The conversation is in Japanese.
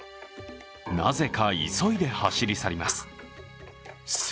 なぜか急いで走り去ります。